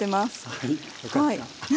はいよかった。